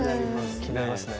気になりますね。